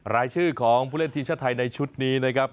รายชื่อของผู้เล่นทีมชาติไทยในชุดนี้นะครับ